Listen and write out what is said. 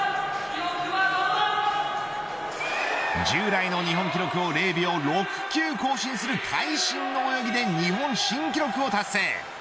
従来の日本記録を０秒６９更新する会心の泳ぎで日本新記録を達成。